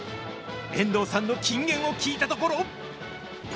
遠藤さんの金言を聞いたところ。